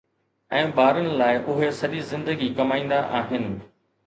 ۽ ٻارن لاءِ اهي سڄي زندگي ڪمائيندا آهن